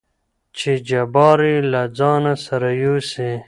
چې جبار يې له ځانه سره يوسي.